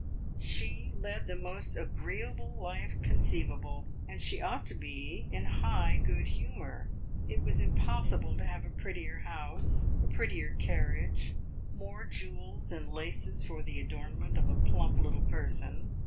She led the most agreeable life conceivable, and she ought to be in high good humor. It was impossible to have a prettier house, a prettier carriage, more jewels and laces for the adornment of a plump little person.